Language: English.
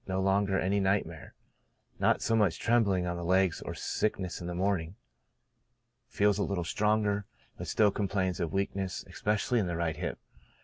No longer any nightmare ; not so much trembling of the legs or sickness in the morning ; TREATMENT. IO9 feels a little stronger, but still complains of weakness, es pecially in the right hip.